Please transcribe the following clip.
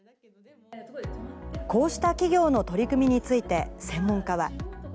こうした企業の取り組みについて専門家は。